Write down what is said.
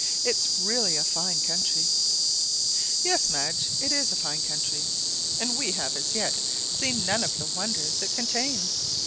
It's really a very fine country !" "Yes, Madge; it is a fine country, and we have as yet seen none of the wonders it contains.